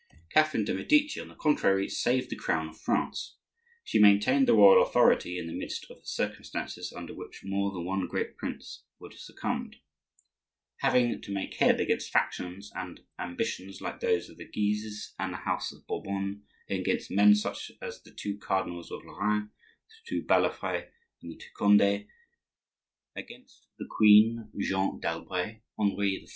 Catherine de' Medici, on the contrary, saved the crown of France; she maintained the royal authority in the midst of circumstances under which more than one great prince would have succumbed. Having to make head against factions and ambitions like those of the Guises and the house of Bourbon, against men such as the two Cardinals of Lorraine, the two Balafres, and the two Condes, against the queen Jeanne d'Albret, Henri IV.